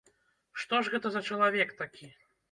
Што ж гэта за чалавек такі?